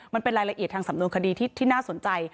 มันเป็นรายละเอียดทางสำนวนคดีที่น่าสนใจ